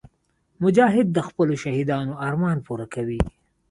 مجاهد د خپلو شهیدانو ارمان پوره کوي.